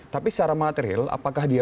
tapi secara material apakah dia